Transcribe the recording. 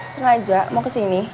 sengaja mau kesini